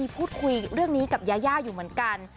พูดคุยเรื่องนี้กับยายาอยู่เหมือนกัน